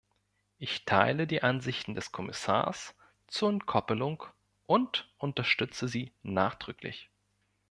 Ich teile die Ansichten des Kommissars zur Entkoppelung und unterstütze sie nachdrücklich.